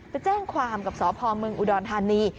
ไปแจ้งความกับสพเมืองอุดรธานี